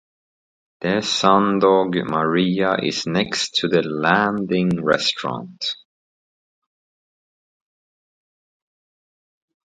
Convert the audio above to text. The Sundog Marina is next to The Landing Restaurant.